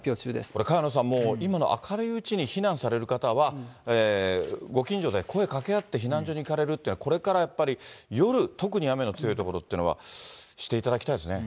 これ萱野さん、今の明るいうちに避難される方は、ご近所で声かけ合って避難所に行かれるっていうのは、これからやっぱり夜、特に雨の強い所っていうのはしていただきたいですね。